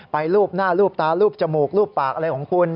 รูปหน้ารูปตารูปจมูกรูปปากอะไรของคุณ